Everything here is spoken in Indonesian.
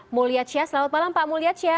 mulyadsya selamat malam pak mulyadsya